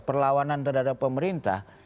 perlawanan terhadap pemerintah